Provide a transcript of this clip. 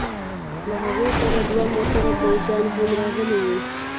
له هغوى سره دوه موټره فوجيان هم راغلي وو.